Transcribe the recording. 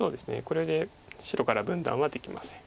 これで白から分断はできません。